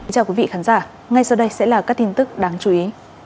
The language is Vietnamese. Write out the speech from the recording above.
chào quý vị khán giả ngay sau đây sẽ là các tin tức đáng chú ý